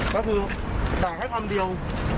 ก็คือแบ่งให้ความเดียว